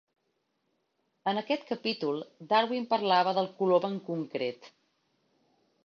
En aquest capítol, Darwin parlava del colom en concret.